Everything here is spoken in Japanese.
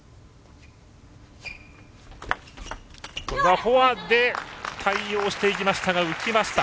フォアで対応していきましたが浮きました。